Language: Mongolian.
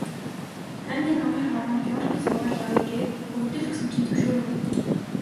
Аймгийн Намын хороонд Горькийн сургуульд явъя гээд өргөдөл өгсөн чинь зөвшөөрөөгүй.